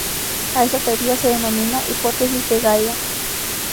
A esta teoría se denomina Hipótesis de Gaia.